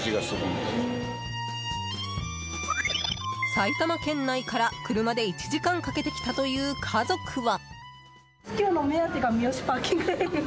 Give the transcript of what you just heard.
埼玉県内から車で１時間かけて来たという家族は。